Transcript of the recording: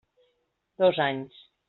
Dos anys.